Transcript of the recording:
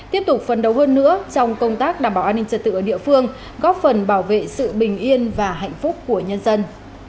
tiếp tục phấn đấu hơn nữa trong công tác đảm bảo an ninh trật tự ở địa phương góp phần bảo vệ sự bình yên và hạnh phúc của nhân dân